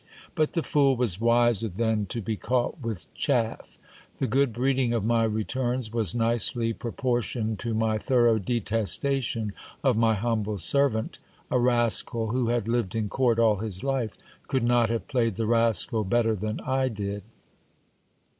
But the fool was wiser than to be caught with chaff. The good breeding of my returns was nicely propor tioned to my thorough detestation of my humble servant : a rascal who had lived in court all his fife could not have played the rascal better than I did.